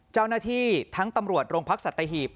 เจ้าหน้าที่ทั้งตำรวจโรงพักสัตหีบ